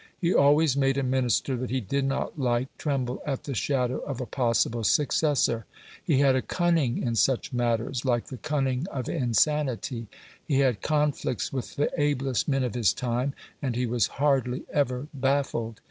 He always made a Minister that he did not like tremble at the shadow of a possible successor. He had a cunning in such matters like the cunning of insanity. He had conflicts with the ablest men of his time, and he was hardly ever baffled.